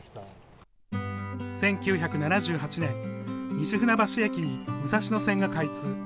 １９７８年、西船橋駅に武蔵野線が開通。